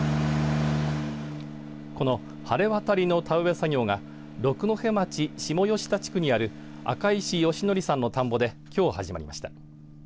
このはれわたりの田植え作業が六戸町下吉田地区にある赤石義周さんの田んぼできょう始まりました。